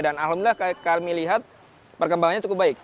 dan alhamdulillah kami lihat perkembangannya cukup baik